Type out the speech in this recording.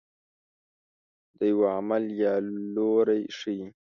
د یوه عمل یا لوری ښيي.